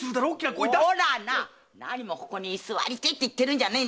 おらはな何もここに居座りてえって言ってるんじゃねえ。